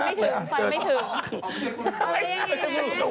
พี่ครูปปุ๊บ